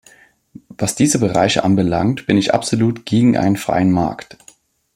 Was diese Bereiche anbelangt, bin ich absolut gegen einen freien Markt.